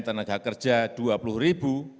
tenaga kerja rp dua puluh